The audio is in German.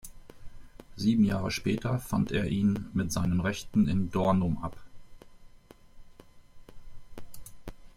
Sieben Jahre später fand er ihn mit seinen Rechten in Dornum ab.